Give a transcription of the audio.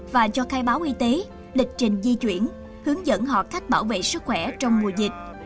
và cho khai báo y tế lịch trình di chuyển hướng dẫn họ cách bảo vệ sức khỏe trong mùa dịch